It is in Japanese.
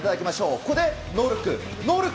ここでノールック、ノールック。